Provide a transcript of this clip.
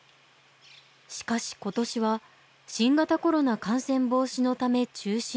しかし今年は新型コロナ感染防止のため中止に。